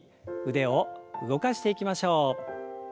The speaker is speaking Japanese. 腕を動かしていきましょう。